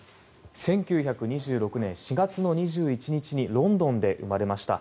１９２６年４月２１日にロンドンで生まれました。